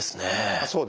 そうです。